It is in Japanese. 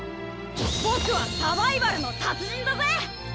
僕はサバイバルの達人だぜ！